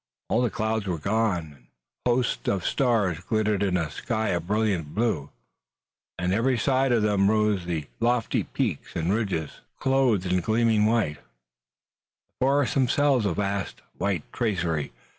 All the clouds were gone and hosts of stars glittered in a sky of brilliant blue. On every side of them rose the lofty peaks and ridges, clothed in gleaming white, the forests themselves a vast, white tracery.